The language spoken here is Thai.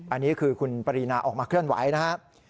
อันนี้คือคุณปรีนาออกมาเคลื่อนไหวนะครับ